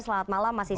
selamat malam mas isnur